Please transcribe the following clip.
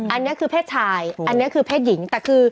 อันนี้คือเพศชายอันนี้คือเพศหญิงแต่คือ